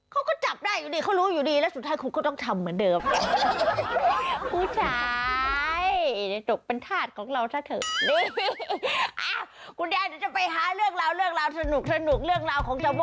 เขาก็จับได้อยู่ดีเขารู้อยู่ดีแล้วสุดท้ายคุณก็ต้องทำเหมือนเดิม